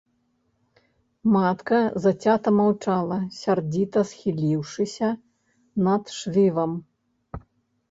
Матка зацята маўчала, сярдзіта схіліўшыся над швівам.